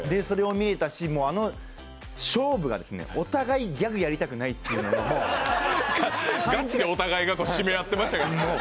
それを見れたし、あの勝負がお互いギャグやりたくないというので、ガチなお互いがしめ合ってましたから。